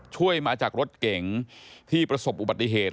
ช่วยมาจากรถเก๋งที่ประสบอุบัติเหตุ